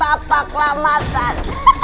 abah el group